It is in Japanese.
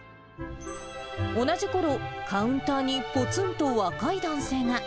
同じころ、カウンターにぽつんと若い男性が。